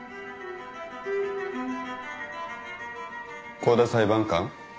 香田裁判官。